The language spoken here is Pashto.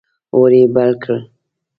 اور یې بل کړ.